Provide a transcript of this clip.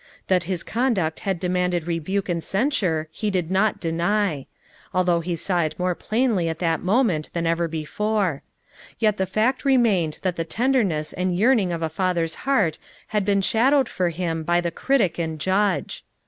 That his conduct had de manded rebuke and censure he did not deny, — although he saw it more plainly at that mo ment than ever before,— yet the fact remained that the tenderness and yearning of a father's heart had been shadowed for him by the critic and judge.